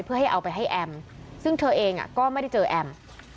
เพื่อให้เอาไปให้แอมซึ่งเธอเองก็ไม่ได้เจอแอม